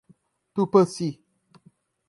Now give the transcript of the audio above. Tupãssi